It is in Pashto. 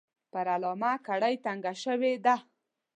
پر علامه کړۍ تنګه شوې ده.